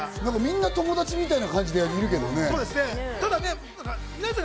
みんな友達みたいな感じでいるけどね。